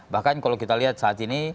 bahkan kalau kita lihat saat ini